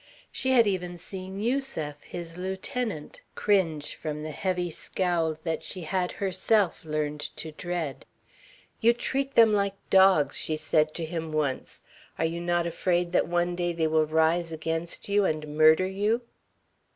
She had even seen Yusef, his lieutenant, cringe from the heavy scowl that she had, herself, learned to dread. "You treat them like dogs," she said to him once. "Are you not afraid that one day they will rise against you and murder you?"